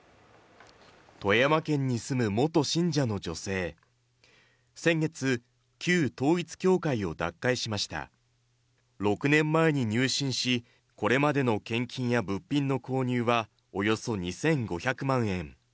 富山県に住む元信者の女性先月旧統一教会を脱会しました６年前に入信しこれまでの献金や物品の購入はおよそ２５００万円